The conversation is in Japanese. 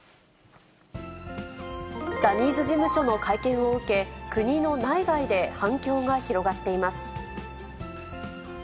ジャニーズ事務所の会見を受け、国の内外で反響が広がっています。